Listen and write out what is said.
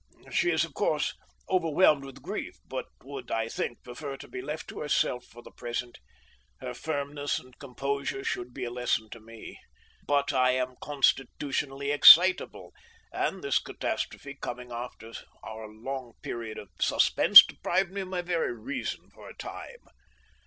She is, of course, overwhelmed with grief, but would, I think, prefer to be left to herself for the present. Her firmness and composure should be a lesson to me, but I am constitutionally excitable, and this catastrophe coming after our long period of suspense deprived me of my very reason for a time."